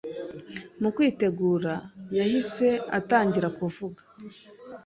Mu kwitegura yahise atangira kuvuga